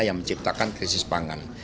yang menciptakan krisis pangan